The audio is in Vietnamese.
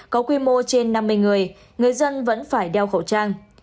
có quy mô trên năm mươi người người dân vẫn phải đeo khẩu trang